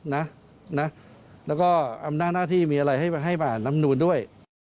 แล้วก็อำนาจหน้าที่มีอะไรให้ผ่านน้ำนูนด้วย